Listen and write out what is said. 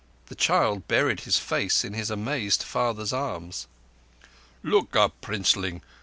The child buried his face in his amazed father's arms. "Look up, Princeling!